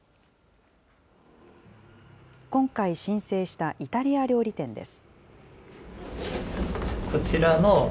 今回、申請したイタリア料理店です。